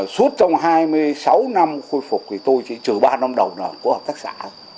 suốt trong hai mươi sáu năm khôi phục thì tôi chỉ trừ ba năm đầu là của hợp tác xã